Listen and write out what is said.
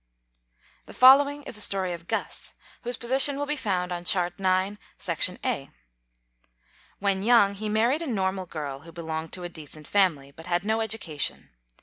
The following is a story of Guss, whose position will be found on Chart IX, section A. When young, he married a normal girl who belonged to a decent family, but had no education.